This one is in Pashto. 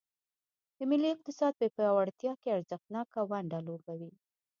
د ملي اقتصاد په پیاوړتیا کې ارزښتناکه ونډه لوبوي.